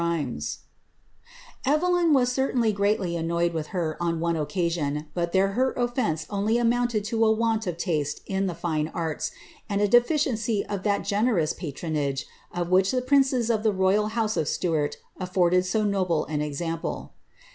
285 Evelyn was certainly greatly annoyed with her on one occasion, but here her ofience only amounted to a want of taste in the fine arts, and I deHciency of that generous patronage of which the princes of the royal louse of Stuart afibrded so noble an example.